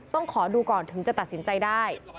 ต้องขอดูก่อนถึงจะตัดสินใจได้